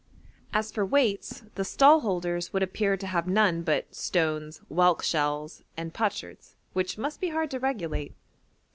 As for weights, the stall holders would appear to have none but stones, whelk shells, and potsherds, which must be hard to regulate.